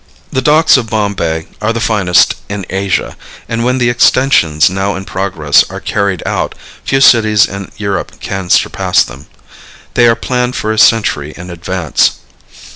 The docks of Bombay are the finest in Asia, and when the extensions now in progress are carried out few cities in Europe can surpass them. They are planned for a century in advance.